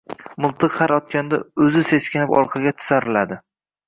Miltiq har otganda o’zi seskanib orqaga tisariladi.